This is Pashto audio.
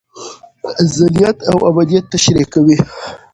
ازليت او ابديت تشريح کوي